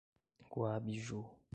Guabiju